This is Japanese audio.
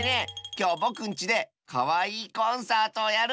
きょうぼくんちでかわいいコンサートをやるんだ！